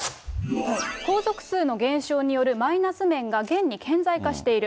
皇族数の減少によるマイナス面が、現に顕在化している。